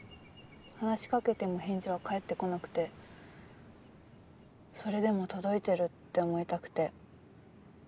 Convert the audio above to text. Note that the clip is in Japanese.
話しかけても返事は返ってこなくてそれでも届いてるって思いたくて。